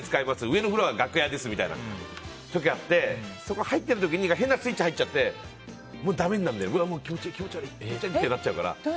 上のフロアは楽屋で済みたいな時があってそこ入ってる時に変なスイッチ入っちゃってもうだめになるんだようわ、気持ち悪いってなっちゃうから。